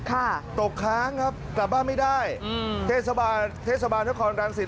ตกค้างครับกลับบ้านไม่ได้เทศบาททศพรังสิต